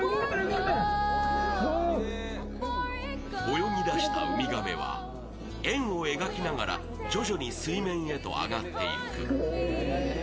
泳ぎ出したウミガメは円を描きながら徐々に水面へと上がっていく。